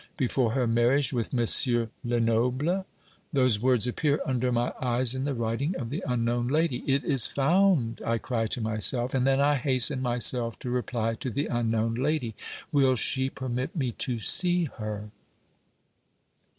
Before her marriage with M. Lenoble! Those words appear under my eyes in the writing of the unknown lady. "It is found!" I cry to myself; and then I hasten myself to reply to the unknown lady. Will she permit me to see her?